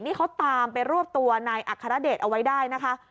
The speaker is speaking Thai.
นี่เขาตามไปรวบตัวนายอัครเดชเอาไว้ได้นะคะ